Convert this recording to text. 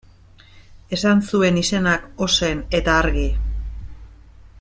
Esan zuen izenak ozen eta argi.